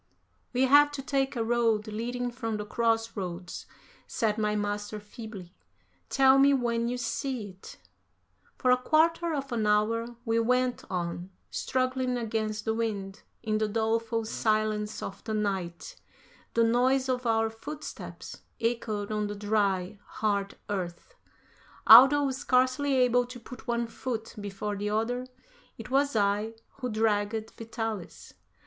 "We have to take a road leading from the cross roads," said my master feebly; "tell me when you see it." For a quarter of an hour we went on, struggling against the wind; in the doleful silence of the night the noise of our footsteps echoed on the dry, hard earth. Although scarcely able to put one foot before the other, it was I who dragged Vitalis.